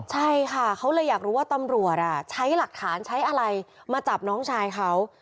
ใช่ค่ะเขาเลยอยากรู้ว่าตำรวจใช้หลักฐานใช้อะไรมาจับน้องชายเขา